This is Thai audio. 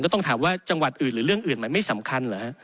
ต้องถามว่าจังหวัดอื่นหรือเรื่องอื่นมันไม่สำคัญเหรอฮะ